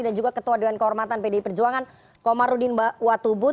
dan juga ketua dewan kehormatan pdi perjuangan komarudin mbak watulun